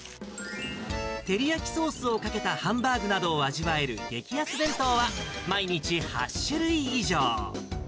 照り焼きソースをかけたハンバーグなどを味わえる激安弁当は、毎日、８種類以上。